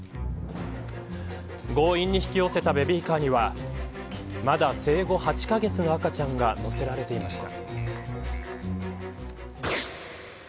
強引に引き寄せたベビーカーにはまだ生後８カ月の赤ちゃんが乗せられていました。